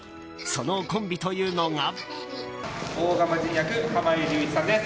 そのコンビというのが。